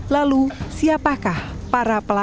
lalu siapakah para pelaku yang menyebabkan kecelakaan